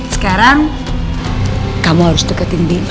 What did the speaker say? sekarang kamu harus deketin dia